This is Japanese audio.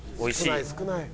少ない少ない。